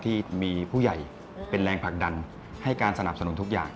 ที่มีผู้ใหญ่เป็นแรงผลักดันให้การสนับสนุนทุกอย่าง